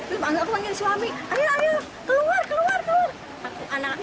aku panggil suami ayo ayo keluar keluar keluar